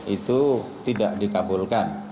itu tidak dikabulkan